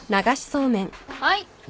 はい。